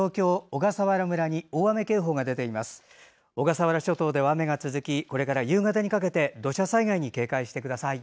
小笠原諸島では雨が続きこれから夕方にかけて土砂災害に警戒してください。